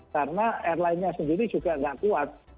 karena airlinenya sendiri juga tidak kuat